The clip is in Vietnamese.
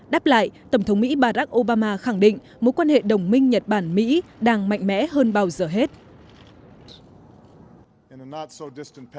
đáp lại tổng thống mỹ barack obama khẳng định mối quan hệ đồng minh nhật bản mỹ đang mạnh mẽ hơn bao giờ hết